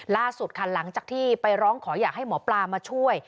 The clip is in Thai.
ล่าสุดค่ะหลังจากที่ไปร้องขออยากให้หมอปลามาช่วย